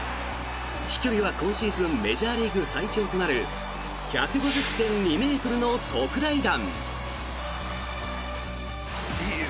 飛距離は今シーズンメジャーリーグ最長となる１５０．２ｍの特大弾。